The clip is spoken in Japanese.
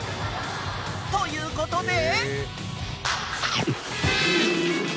［ということで］